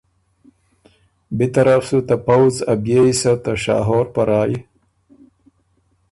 بی طرف سُو ته پؤځ ا بيې حصه ته شاهور په رایٛ